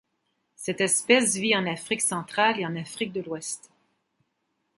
Cette espèce vit en Afrique centrale et en Afrique de l'Ouest.